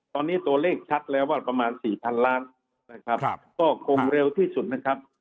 ตอนนี้ตัวเลขชัดแล้วว่าประมาณ๔๐๐๐ล้านนะครับก็คงเร็วที่สุดนะครับ